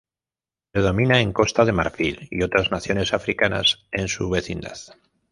Predomina en Costa de Marfil y otras naciones africanas en su vecindad.